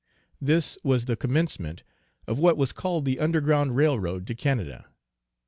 This was the commencement of what was called the under ground rail road to Canada.